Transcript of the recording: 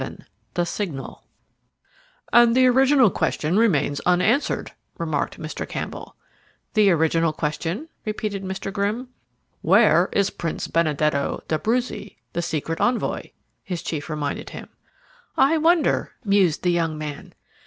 VII THE SIGNAL "And the original question remains unanswered," remarked Mr. Campbell. "The original question?" repeated Mr. Grimm. "Where is Prince Benedetto d'Abruzzi, the secret envoy?" his chief reminded him. "I wonder!" mused the young man.